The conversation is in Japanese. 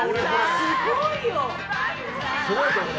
すごいよ！